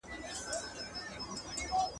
سرونه پرې کړي مالونه یوسي ..